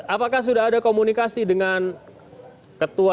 apakah sudah ada komunikasi dengan ketua